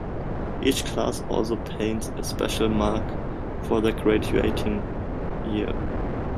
Each class also paints a special mark for their graduating year.